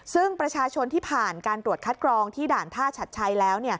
ซึ่งประชาชนที่ผ่านการตรวจคัดกรองที่ด่านท่าชัดชัยแล้ว